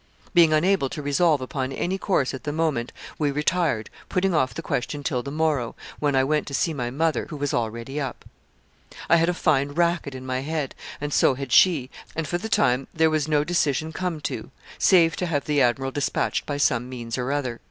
Being unable to resolve upon any course at the moment, we retired, putting off the question till the morrow, when I went to see my mother, who was already up. I had a fine racket in my head, and so had she, and for the time there was no decision come to save to have the admiral despatched by some means or other.